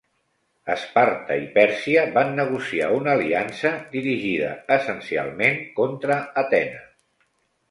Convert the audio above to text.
Esparta i Pèrsia van negociar una aliança dirigida essencialment contra Atenes.